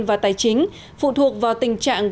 và tài chính phụ thuộc vào tình trạng